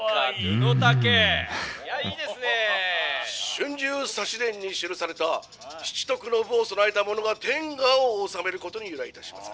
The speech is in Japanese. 「『春秋左氏伝』に記された七徳の武を備えた者が天下を治めることに由来いたします。